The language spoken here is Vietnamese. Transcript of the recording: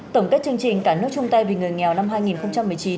tổng kết chương trình cả nước chung tay vì người nghèo năm hai nghìn một mươi chín